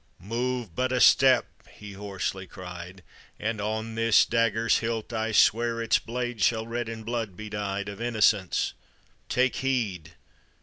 " Move but a step," he hoarsely cried, And on this dagger's hilt, I swear, Its blade shall red in blood be dyed, Of innocence — take heed!